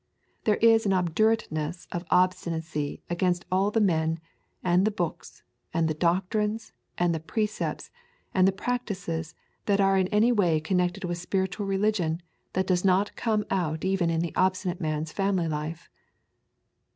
There is an obdurateness of obstinacy against all the men, and the books, and the doctrines, and the precepts, and the practices that are in any way connected with spiritual religion that does not come out even in the obstinate man's family life.